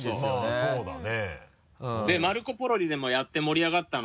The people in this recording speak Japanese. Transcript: そうだね。